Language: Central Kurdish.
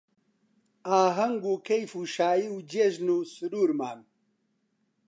ئاهەنگ و کەیف و شایی و جێژن و سروورمان